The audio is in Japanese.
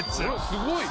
すごい！